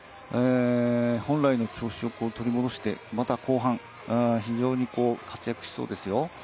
本来の調子を取り戻してまた後半、非常に活躍しそうですよ。